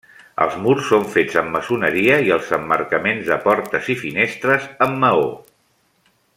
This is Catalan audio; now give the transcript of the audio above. Els murs són fets amb maçoneria i els emmarcaments de portes i finestres amb maó.